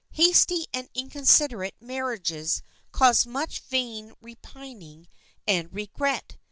Hasty and inconsiderate marriages cause much vain repining and regret.